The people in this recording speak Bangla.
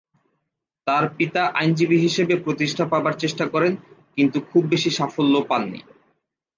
তার পিতা আইনজীবী হিসেবে প্রতিষ্ঠা পাবার চেষ্টা করেন কিন্তু খুব বেশি সাফল্য পননি।